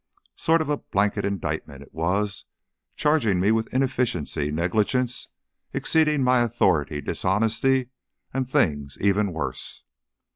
Sort of a blanket indictment, it was, charging me with inefficiency, negligence, exceeding my authority, dishonesty and things even worse.